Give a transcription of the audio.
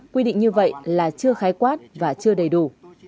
quy định như vậy là chưa khái quát và chưa đầy đủ